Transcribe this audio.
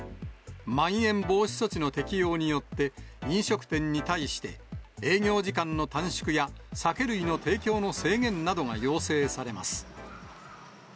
まん延防止措置の適用によって、飲食店に対して、営業時間の短縮や酒類の提供などの制限などが要請されます。